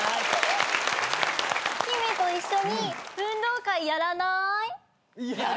ヒメと一緒に運動会やらない？やる！